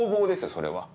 それは。